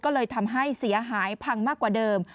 ก็เลยทำให้เสียหายพังมากกว่าเดิม